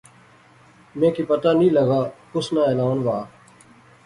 میں کی پتہ نی لغا کُس ناں اعلان وہا